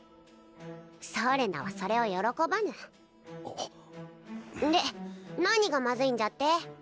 ソーレナはそれを喜ばぬで何がまずいんじゃって？